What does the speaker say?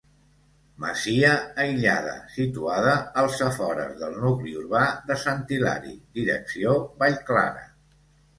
Masia aïllada, situada als afores del nucli urbà de Sant Hilari, direcció Vallclara.